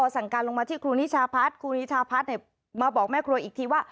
สั่งการลงมาที่ครูนิชาพัฒน์ครูนิชาพัฒน์มาบอกแม่ครัวอีกทีว่า